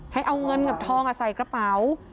ให้เอาเงินกับทองใส่กระเป๋า